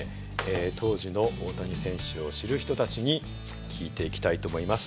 当時の大谷選手を知る人たちに聞いていきたいと思います。